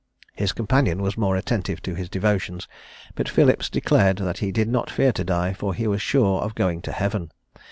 His companion was more attentive to his devotions; but Phillips declared that he did not fear to die, for that he was sure of going to heaven.